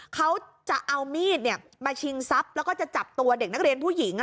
เขาจะเอามีดมาชิงทรัพย์แล้วก็จะจับตัวเด็กนักเรียนผู้หญิง